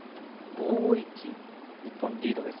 ５−１日本、リードです。